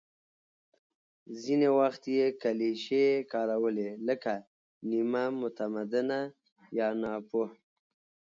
ځینې وخت یې کلیشې کارولې، لکه «نیمه متمدنه» یا «ناپوه».